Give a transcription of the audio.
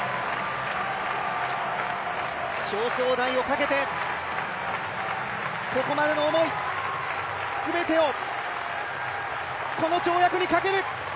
表彰台をかけて、ここまでの思い全てをこの跳躍にかける。